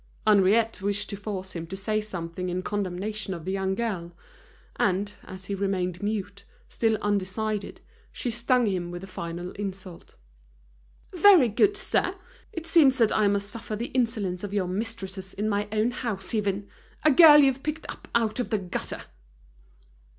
Henriette wished to force him to say something in condemnation of the young girl; and, as he remained mute, still undecided, she stung him with a final insult: "Very good, sir. It seems that I must suffer the insolence of your mistresses in my own house even! A girl you've picked up out of the gutter!"